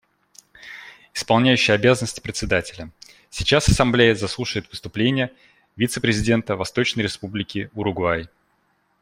Исполняющий обязанности Председателя: Сейчас Ассамблея заслушает выступление вице-президента Восточной Республики Уругвай.